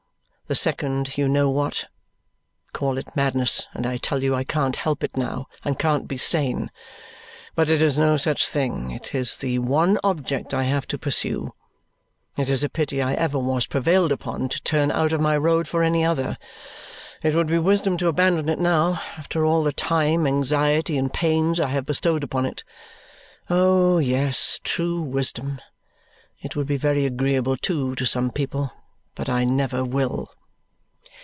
The second, you know what. Call it madness, and I tell you I can't help it now, and can't be sane. But it is no such thing; it is the one object I have to pursue. It is a pity I ever was prevailed upon to turn out of my road for any other. It would be wisdom to abandon it now, after all the time, anxiety, and pains I have bestowed upon it! Oh, yes, true wisdom. It would be very agreeable, too, to some people; but I never will."